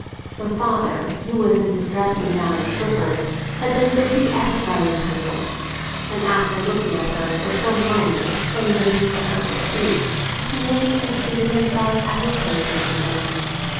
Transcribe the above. Her father, who was in his dressing gown and slippers, had been busy at his writing table, and after looking at her for some moments, and waiting for her to speak, he went and seated himself at his papers again.